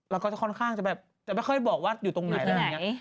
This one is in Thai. แล้วก็จะค่อนข้างจะแบบจะไม่ค่อยบอกว่าอยู่ตรงไหนอะไรอย่างนี้